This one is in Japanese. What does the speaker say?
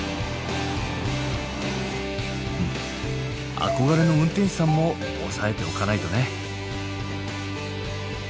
憧れの運転手さんも押さえておかないとね。